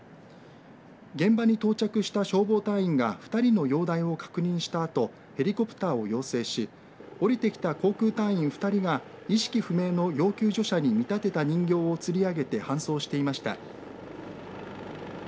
現場に到着した消防隊員が２人の容体を確認したあとヘリコプターを要請しおりてきた航空隊員２人が意識不明の要救助者に見立てた人形をつり上げて搬送していました。